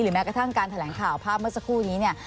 แม้กระทั่งการแถลงข่าวภาพเมื่อสักครู่นี้เนี่ย